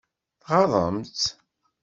Tɣaḍem-tt?